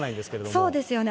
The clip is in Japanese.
そうですよね。